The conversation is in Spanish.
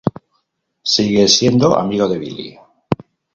Sigo siendo amigo de Billy.